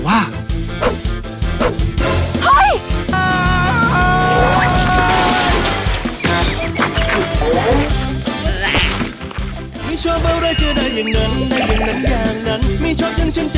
สวัสดีจ้าสวัสดีจ้า